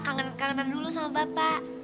kangen kangenan dulu sama bapak